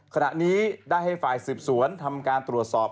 ขณะนี้ได้ให้ฝ่ายสืบสวนทำการตรวจสอบ